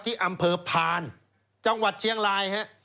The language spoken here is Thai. ที่อำเภอพานจังหวัดเชียงรายฮะ